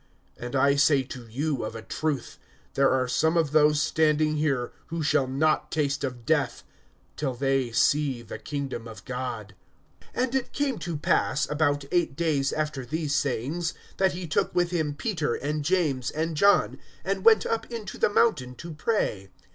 (27)And I say to you of a truth, there are some of those standing here, who shall not taste of death, till they see the kingdom of God. (28)And it came to pass, about eight days after these sayings, that he took with him Peter and John and James, and went up into the mountain to pray.